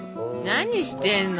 何してんの？